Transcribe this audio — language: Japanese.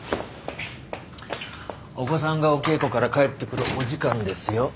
お子さんがお稽古から帰ってくるお時間ですよ。